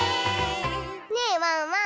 ねえワンワン